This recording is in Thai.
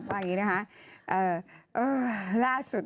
ว่าอย่างนี้นะคะเอ่อล่าสุด